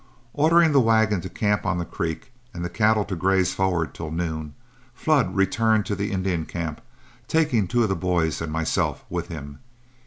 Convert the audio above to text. Ordering the wagon to camp on the creek and the cattle to graze forward till noon, Flood returned to the Indian camp, taking two of the boys and myself with him.